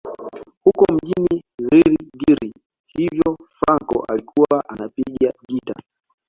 Huko mjini Ngiri Ngiri hivyo Fraco alikuwa anapiga gitaa